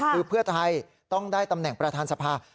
คือเพื่อไทยต้องได้ตำแหน่งประธานสภา